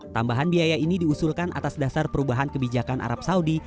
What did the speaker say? tambahan biaya ini diusulkan atas dasar perubahan kebijakan arab saudi